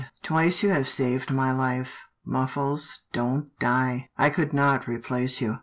Twice you have saved my Hfe. Muffles, don't die. I could not replace you."